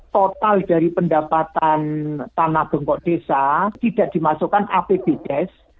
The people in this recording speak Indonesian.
total dari pendapatan tanah gengkok desa tidak dimasukkan apbdes